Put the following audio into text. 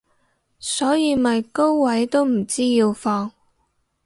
所以咪高位都唔知要放